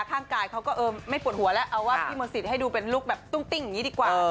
ข้างกายเขาก็เออไม่ปวดหัวแล้วเอาว่าพี่มนต์สิทธิ์ให้ดูเป็นลุคแบบตุ้งติ้งอย่างนี้ดีกว่า